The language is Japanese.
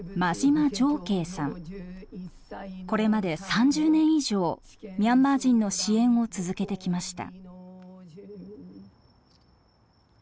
これまで３０年以上ミャンマー人の支援を続けてきました。